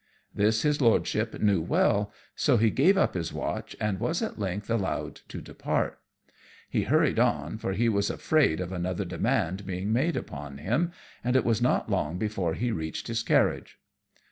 This his lordship knew well, so he gave up his watch, and was at length allowed to depart. He hurried on, for he was afraid of another demand being made upon him, and it was not long before he reached his carriage.